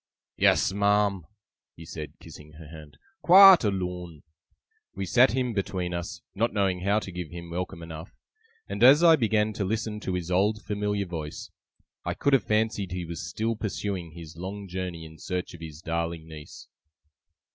'Yes, ma'am,' he said, kissing her hand, 'quite alone.' We sat him between us, not knowing how to give him welcome enough; and as I began to listen to his old familiar voice, I could have fancied he was still pursuing his long journey in search of his darling niece.